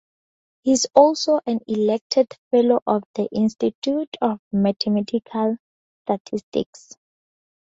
He is also an elected Fellow of the Institute of Mathematical Statistics.